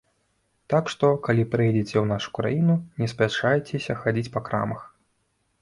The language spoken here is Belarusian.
Так што, калі прыедзеце ў нашу краіну, не спяшаецеся хадзіць па крамах.